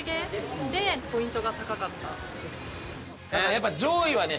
やっぱ上位はね